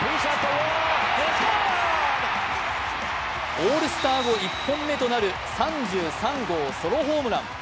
オールスター後１本目となる３３号ソロホームラン。